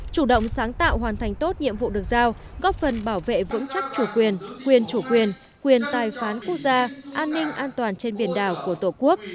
chủ động sáng tạo hoàn thành tốt nhiệm vụ được giao góp phần bảo vệ vững chắc chủ quyền quyền chủ quyền quyền tài phán quốc gia an ninh an toàn trên biển đảo của tổ quốc